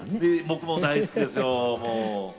僕も大好きですよ。